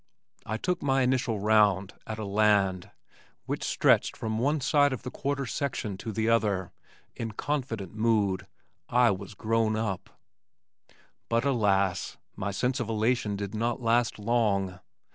I took my initial "round" at a "land" which stretched from one side of the quarter section to the other, in confident mood. I was grown up! But alas! my sense of elation did not last long.